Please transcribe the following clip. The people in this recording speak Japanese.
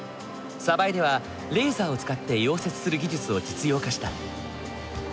江ではレーザーを使って溶接する技術を実用化した。